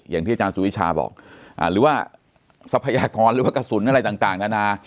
อย่างที่อาจารย์สุวิชาบอกหรือว่าทรัพยากรหรือว่ากระสุนอะไรต่างนานา